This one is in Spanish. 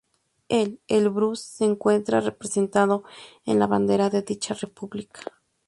El Elbrús se encuentra representado en la bandera de dicha república.